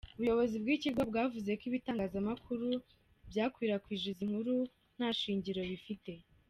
Ubuyobozi bw’iki kigo bwavuze ko ibitangazamakuru byakwirakwije izi nkuru nta shingiro bifite.